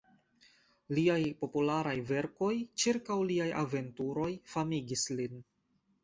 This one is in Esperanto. Liaj popularaj verkoj ĉirkaŭ liaj aventuroj famigis lin.